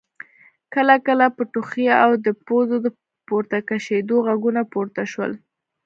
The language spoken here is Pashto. کله کله به ټوخی او د پزو د پورته کشېدو غږونه پورته شول.